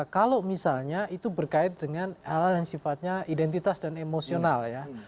kalau misalnya itu berkait dengan hal hal yang sifatnya identitas dan emosional ya